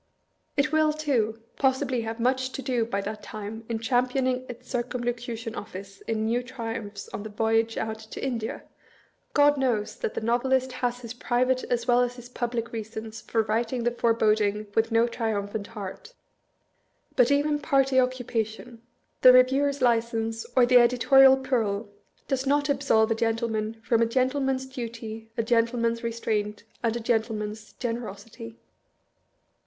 It will, too, possibly have much to do by that time in championing its Circumlocution Office in new triumphs on the voyage out to India (God knows that the Novelist has his private as well as his pub lic reasons for writing the foreboding with no triumphant 286 MISPRINT IN THE EDINBURGH REVIEW. heart!) ; but even party occupation, the reviewer's license, or the editorial plural, does not absolve a gentleman from a gentleman's duty, a gentleman's restraint, and a gentle man's generosity.